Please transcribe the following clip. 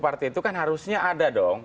partai itu kan harusnya ada dong